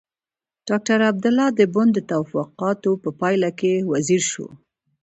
ډاکټر عبدالله د بن د توافقاتو په پايله کې وزیر شو.